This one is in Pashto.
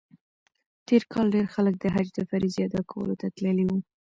تېر کال ډېر خلک د حج د فریضې ادا کولو ته تللي وو.